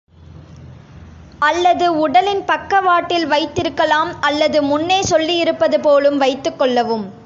அல்லது உடலின் பக்கவாட்டில் வைத்திருக்கலாம் அல்லது முன்னே சொல்லியிருப்பது போலும் வைத்துக் கொள்ளவும்.